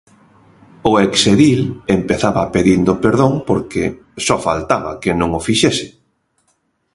O ex edil empezaba pedindo perdón porque "só faltaba que non o fixese".